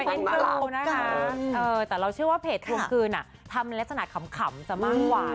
อ๋อเอ็นดูนะคะเออแต่เราเชื่อว่าเพจทวงคืนอ่ะทำลักษณะขำจะมากกว่า